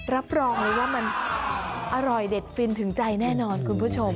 รับรองเลยว่ามันอร่อยเด็ดฟินถึงใจแน่นอนคุณผู้ชม